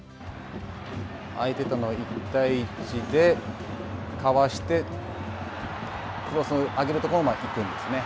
相手との１対１で、かわして、クロスを上げるところまで行くんですね。